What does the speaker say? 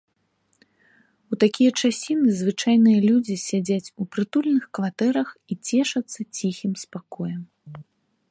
У такія часіны звычайныя людзі сядзяць у прытульных кватэрах і цешацца ціхім спакоем.